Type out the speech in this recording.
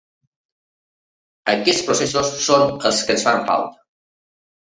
Aquests processos són els que ens fan falta.